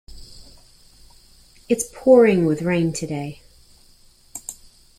It's pouring with rain today.